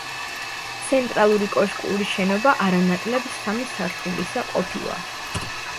ცენტრალური კოშკური შენობა არა ნაკლებ სამი სართულისა ყოფილა.